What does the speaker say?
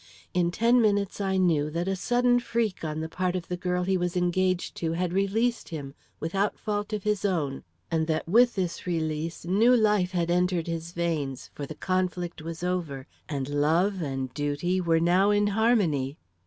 In ten minutes I knew, that a sudden freak on the part of the girl he was engaged to had released him, without fault of his own, and that with this release new life had entered his veins, for the conflict was over and love and duty were now in harmony.